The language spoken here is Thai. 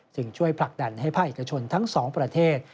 ช่วยผลักดันให้ภาคเอกชนทั้งสองประเทศ